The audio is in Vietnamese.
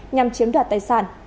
nhằm chiếm đoạt tài sản